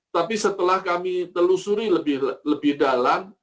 tapi setelah kami telusuri lebih dalam